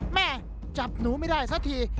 แม่จับหนูไม่ได้สักที